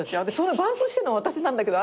伴奏してんの私なんだけど。